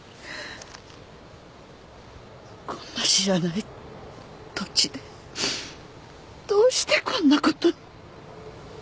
こんな知らない土地でどうしてこんなことに？